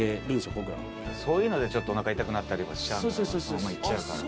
そういうのでちょっとおなか痛くなったりしちゃうんだなそのままいっちゃうから。